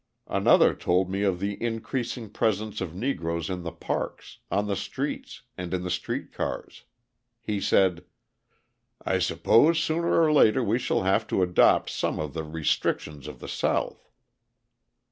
Another told me of the increasing presence of Negroes in the parks, on the streets, and in the street cars. He said: "I suppose sooner or later we shall have to adopt some of the restrictions of the South."